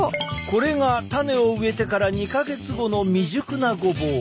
これが種を植えてから２か月後の未熟なごぼう。